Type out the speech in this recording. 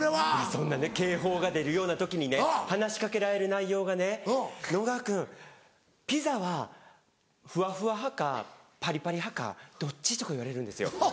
そんなね警報が出るような時にね話し掛けられる内容がね「直川君ピザはふわふわ派かパリパリ派かどっち？」とか言われるんですよ。